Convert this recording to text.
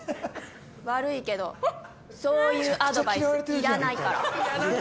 悪いけどそういうアドバイスいらないから。